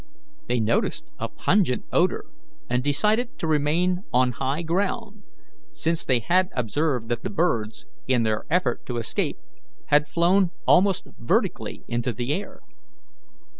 They noticed a pungent odour, and decided to remain on high ground, since they had observed that the birds, in their effort to escape, had flown almost vertically into the air.